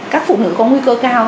các phụ nữ có nguy cơ cao